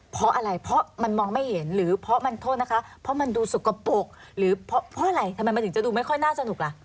เพราะอะไรเพราะมันมองไม่เห็นหรือเพราะมันโทษนะคะเพราะมันดูสกปรกหรือเพราะอะไรทำไมมันถึงจะดูไม่ค่อยน่าสนุกล่ะ